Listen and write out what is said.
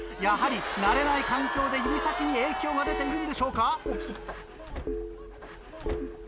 やはり慣れない環境で指先に影響が出ているんでしょうか。